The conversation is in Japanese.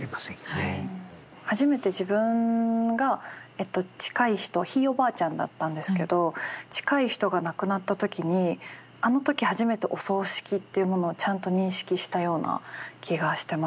初めて自分がえっと近い人ひいおばあちゃんだったんですけど近い人が亡くなった時にあの時初めてお葬式というものをちゃんと認識したような気がしてますね。